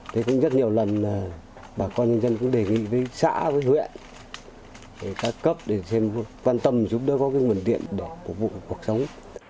thế cũng rất nhiều lần là bà con nhân dân cũng đề nghị với xã với huyện các cấp để xem quan tâm giúp đỡ có cái nguồn điện để phục vụ cuộc sống